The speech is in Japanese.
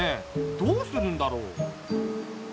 どうするんだろう？